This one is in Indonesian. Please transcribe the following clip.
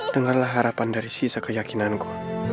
dengarlah harapan dari sisa keyakinanku